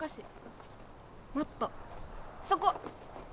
もっとそこ！